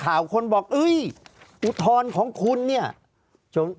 ภารกิจสรรค์ภารกิจสรรค์